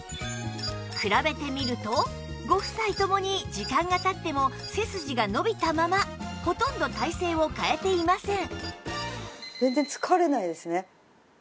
比べてみるとご夫妻ともに時間が経っても背筋が伸びたままほとんど体勢を変えていません